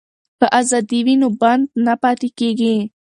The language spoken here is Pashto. که ازادي وي نو بند نه پاتې کیږي.